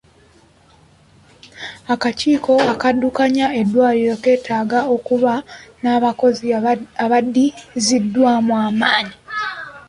Akakiiko akaddukanya eddwaliro keetaaga okuba n'abakozi abaddiziddwamu amaanyi.